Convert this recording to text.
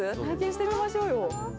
体験してみましょうよ。